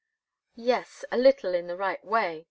"Yes a little, in the right way.